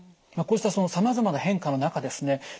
こうしたさまざまな変化の中ですね